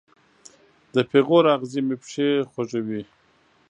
د پیغور اغزې مې پښې خوږوي